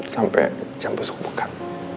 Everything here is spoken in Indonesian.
sampai jam busuk bukan